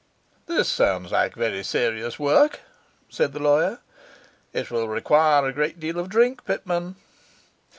'This sounds like very serious work,' said the lawyer. 'It will require a great deal of drink, Pitman.